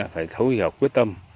phải thấu hiểu quyết tâm